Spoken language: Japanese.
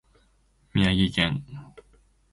宮城県亘理町